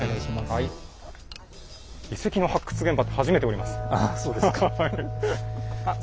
遺跡の発掘現場って初めて下ります。